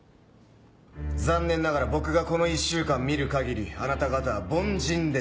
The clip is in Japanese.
残念ながら僕がこの１週間見る限りあなた方は凡人です。